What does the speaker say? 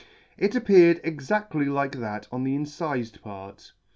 It appeared exadtly like that on the incifed part.